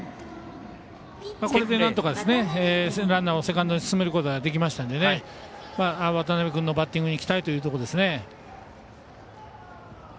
なんとかランナーをセカンドに進めることができましたので渡邊君のバッティングに期待というところですね。